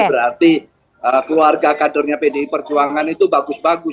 berarti keluarga kadernya pdi perjuangan itu bagus bagus